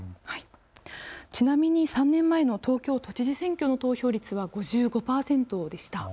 ちなみに３年前の東京都知事選挙の投票率は５５％でした。